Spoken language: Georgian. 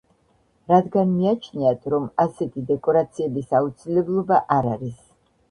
რადგან მიაჩნიათ რომ ასეთი დეკორაციების აუცილებლობა არ არის.